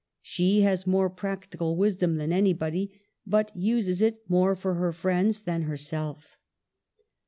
She has more practical wisdom than anybody, but uses it more for her friends than herself."